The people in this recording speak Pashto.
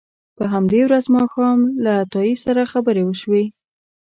په همدې ورځ ماښام له عطایي سره خبرې وشوې.